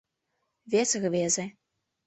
Вес рвезе.